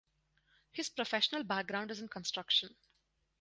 His professional background is in construction.